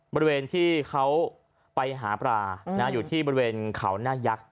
บริเวณที่เขาไปหาปลาอยู่ที่บริเวณเขาหน้ายักษ์